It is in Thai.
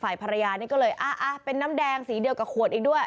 ภรรยานี่ก็เลยเป็นน้ำแดงสีเดียวกับขวดอีกด้วย